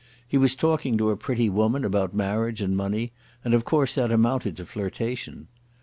He was talking to a pretty woman about marriage and money, and of course that amounted to flirtation.